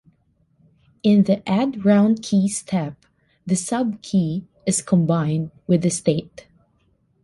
In the AddRoundKey step, the subkey is combined with the state.